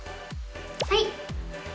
はい。